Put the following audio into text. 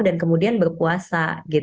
dan kemudian berpuasa